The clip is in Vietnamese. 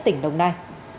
tỉnh đồng nai